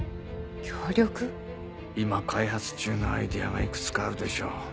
今開発中のアイデアがいくつかあるでしょう？